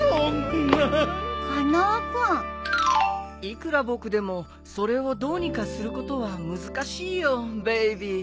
いくら僕でもそれをどうにかすることは難しいよベイビー。